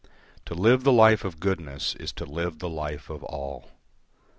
To live the life of goodness is to live the life of all.